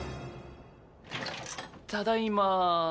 ただいま。